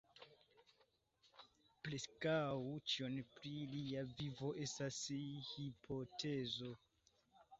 Preskaŭ ĉio pri lia vivo estas hipotezo.